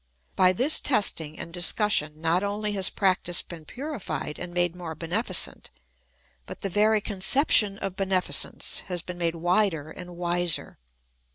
By this testing and discussion, not only has practice been purified and made more beneficent, but the very conception of beneficence has been made wider and wiser.